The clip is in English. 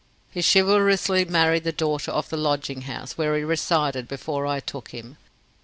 He chivalrously married the daughter of the lodging house where he resided before I took him.